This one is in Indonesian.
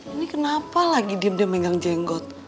ini kenapa lagi diem diem menggang jenggot